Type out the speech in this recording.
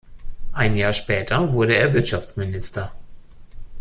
Ein Jahr später wurde er Wirtschaftsminister.